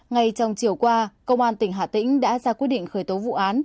ngay trong chiều qua công an tỉnh hà tĩnh đã ra quyết định khởi tố vụ án